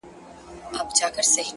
ستا د سوځلي زړه ايرو ته چي سجده وکړه،